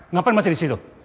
ngapain masih di situ